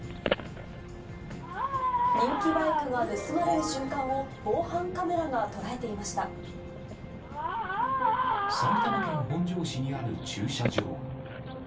人気バイクが盗まれる瞬間を埼玉県本庄市にある駐車場。